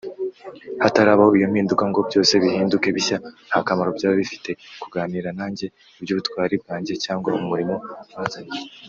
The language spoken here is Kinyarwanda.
Hatarabaho iyo mpinduka, ngo byose bihinduke bishya, nta kamaro byaba bifite kuganira nanjye iby’ubutware bwanjye cyangwa umurimo wanzanye